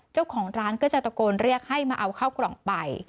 เจ้าของร้านก็จะตะโกนเรียกให้มาเอาข้าวกล่องไป